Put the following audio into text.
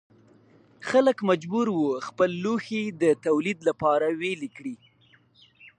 خلک مجبور وو خپل لوښي د تولید لپاره ویلې کړي.